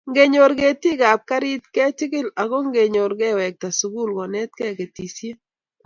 Ngenyor ketikab garit kechikil ako Ngenyor kewekta sukul konetkei ketisiet